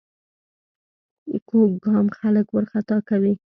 کوږ ګام خلک وارخطا کوي